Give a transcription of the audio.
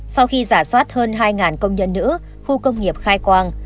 sau khi giả soát hơn hai công nhân nữ khu công nghiệp khai quang